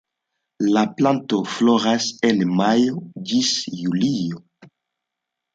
La planto floras en majo ĝis julio.